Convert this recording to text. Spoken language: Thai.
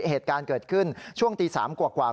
เหตุการณ์เกิดขึ้นช่วงตี๓กว่า